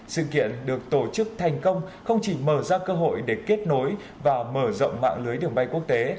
sự kiện được tổ chức thành công không chỉ mở ra cơ hội để kết nối và mở rộng mạng lưới đường bay quốc tế